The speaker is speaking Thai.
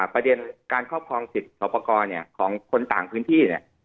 ประเด็นการครอบครองสิทธิ์สอบประกอบของคนต่างพื้นที่เนี่ย